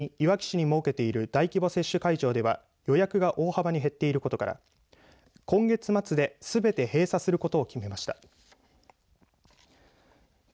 それに、いわき市に設けている大規模接種会場では予約が大幅に減っていることから今月末で、すべて閉鎖することを決めました。